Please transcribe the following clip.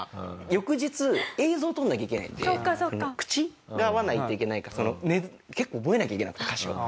翌日映像を撮らなきゃいけないので口が合わないといけないから結構覚えなきゃいけなくて歌詞を。